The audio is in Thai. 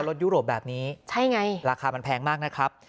ยุโรปแบบนี้ใช่ไงราคามันแพงมากนะครับ